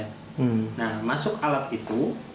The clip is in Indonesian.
nah masuk alat itu